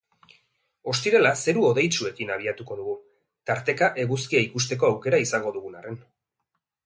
Ostirala zeru hodeitsuekin abiatu dugu, tarteka eguzkia ikusteko aukera izango dugun arren.